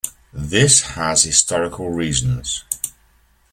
This has historical reasons.